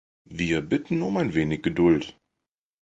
Wir bitten um ein wenig Geduld.